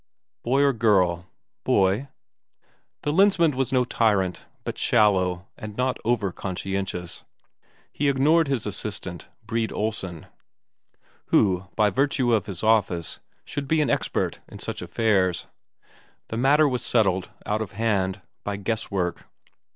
"Boy or girl?" "Boy." The Lensmand was no tyrant, but shallow, and not overconscientious. He ignored his assistant, Brede Olsen, who by virtue of his office should be an expert in such affairs; the matter was settled out of hand, by guesswork.